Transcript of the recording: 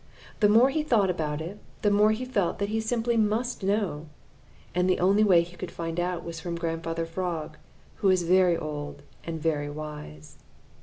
The more he thought about it, the more he felt that he simply must know, and the only way he could find out was from Grandfather Frog, who is very old and very wise.